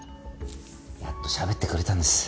やっとしゃべってくれたんです。